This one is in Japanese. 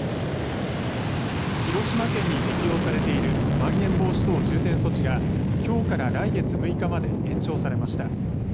広島県に適用されているまん延防止等重点措置がきょうから来月６日まで延長されました。